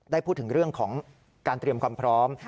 ได้พูดถึงเรื่องของการเตรียมความพร้อม